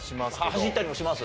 走ったりもします？